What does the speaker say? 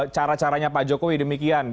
cara caranya pak jokowi demikian